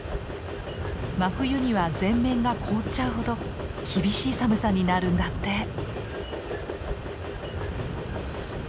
真冬には全面が凍っちゃうほど厳しい寒さになるんだって。